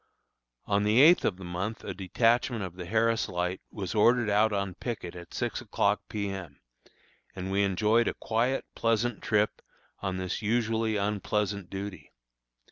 On the eighth of the month a detachment of the Harris Light was ordered out on picket at six o'clock P. M., and we enjoyed a quiet, pleasant trip on this usually unpleasant duty.